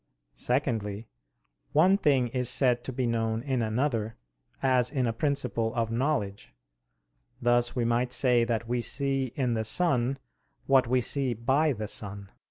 Secondly, one thing is said to be known in another as in a principle of knowledge: thus we might say that we see in the sun what we see by the sun.